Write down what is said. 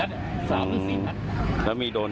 ไม่รู้ว่าโดนใครบ้างเพราะว่านั่งรังหยีน้วน